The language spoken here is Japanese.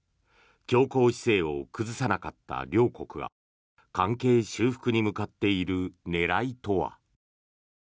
強硬姿勢を崩さなかった両国が関係修復に向かっている狙いとは。